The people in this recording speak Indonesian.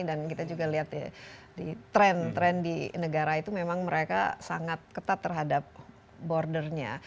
dan kita juga lihat ya tren tren di negara itu memang mereka sangat ketat terhadap bordernya